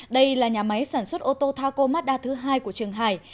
đây là nhà máy sản xuất ô tô taco mazda thứ hai của trường hải